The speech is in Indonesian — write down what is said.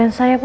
ini tidak ada